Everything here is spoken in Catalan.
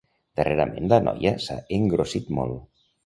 Darrerament la noia s'ha engrossit molt.